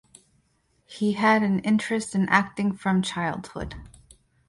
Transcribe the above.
He had an interest in acting from childhood.